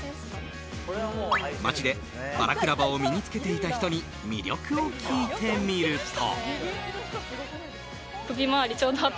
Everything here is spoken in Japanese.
街でバラクラバを身に着けていた人に魅力を聞いてみると。